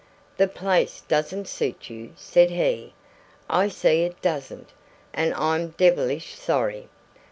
"The place doesn't suit you," said he. "I see it doesn't, and I'm devilish sorry!